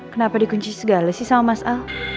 kenapa dikunci segala siswa mas al